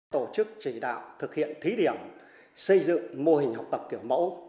tổ chức chỉ đạo thực hiện thí điểm xây dựng mô hình học tập kiểu mẫu